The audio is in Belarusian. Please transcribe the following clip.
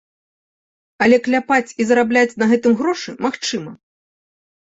Але кляпаць і зарабляць на гэтым грошы магчыма.